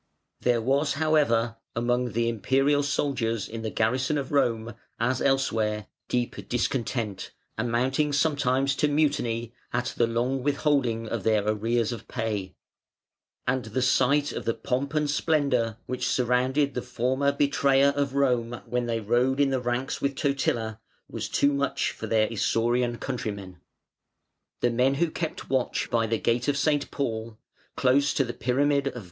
There was, however, among the Imperial soldiers in the garrison of Rome, as elsewhere, deep discontent, amounting sometimes to mutiny, at the long withholding of their arrears of pay; and the sight of the pomp and splendour, which surrounded the former betrayer of Rome when they rode in the ranks with Totila, was too much for their Isaurian countrymen. The men who kept watch by the Gate of St. Paul (close to the Pyramid of C.